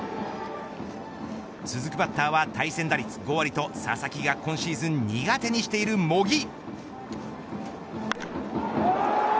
続くバッターは対戦打率５割と佐々木が今シーズン苦手にしている茂木。